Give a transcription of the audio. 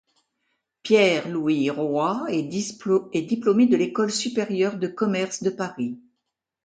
Pierre-Louis Roy est diplômé de l'École supérieure de commerce de Paris.